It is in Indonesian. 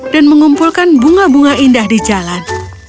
dan mengumpulkan bunga bunga indah di jalan